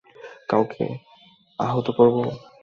কাউকে আহত করব?